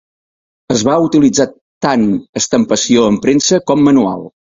Es va utilitzar tant estampació en premsa com manual.